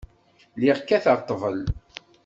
Lliɣ kkateɣ ḍḍbel.